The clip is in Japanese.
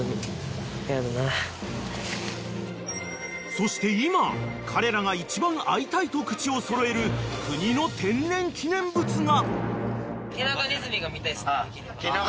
［そして今彼らが一番会いたいと口を揃える国の天然記念物が］